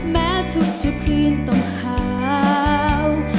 แม้ทุกคืนต้องหาว